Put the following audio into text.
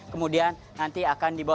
kemudian nanti akan dibawa